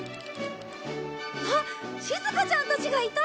あっしずかちゃんたちがいた！